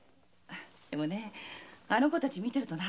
でもねあの子たちを見てるとフビンで。